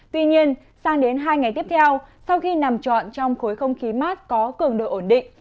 tuy nhiên sang đến hai ngày tiếp theo sau khi nằm trọn trong khối không khí mát có cường độ ổn định